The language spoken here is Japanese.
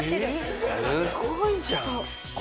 すごいじゃん！